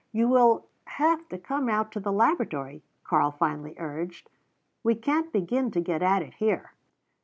"You will have to come out to the laboratory," Karl finally urged. "We can't begin to get at it here."